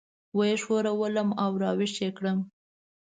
وه یې ښورولم او راويښ یې کړم.